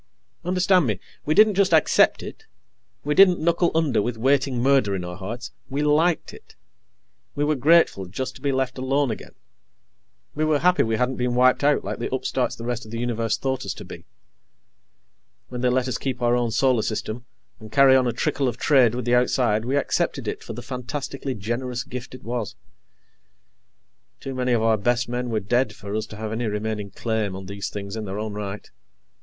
Understand me we didn't accept it, we didn't knuckle under with waiting murder in our hearts we liked it. We were grateful just to be left alone again. We were happy we hadn't been wiped out like the upstarts the rest of the Universe thought us to be. When they let us keep our own solar system and carry on a trickle of trade with the outside, we accepted it for the fantastically generous gift it was. Too many of our best men were dead for us to have any remaining claim on these things in our own right.